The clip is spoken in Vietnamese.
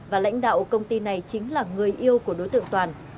và lãnh đạo công ty này chính là người yêu của đối tượng toàn